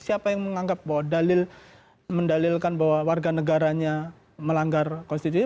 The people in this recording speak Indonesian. siapa yang menganggap bahwa dalil mendalilkan bahwa warga negaranya melanggar konstitusi